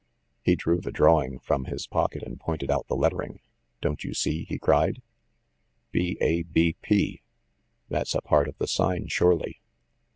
"" He drew the drawing from his pocket and pointed out the lettering. "Don't you see ?" he cried. " 'BABP P That's a part of the sign, surely.